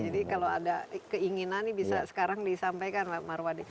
jadi kalau ada keinginan ini bisa sekarang disampaikan pak marwadi